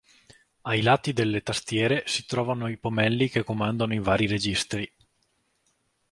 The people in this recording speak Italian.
Ai due lati delle tastiere, si trovano i pomelli che comandano i vari registri.